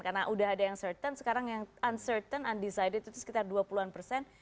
karena sudah ada yang certain sekarang yang uncertain undecided itu sekitar dua puluh an persen